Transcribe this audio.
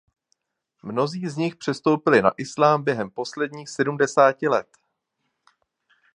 Mnozí z nich přestoupili na islám během posledních sedmdesáti let.